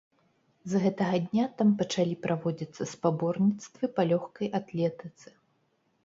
З гэтага дня там пачалі праводзіцца спаборніцтвы па лёгкай атлетыцы.